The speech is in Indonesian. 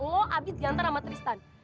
lo abis diantar sama tristan